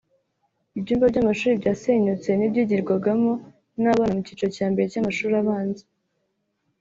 Ibyumba by’amashuri byasenyutse n’ibyigirwagamo n’abana mu cyiciro cya mbere cy’amashuri abanza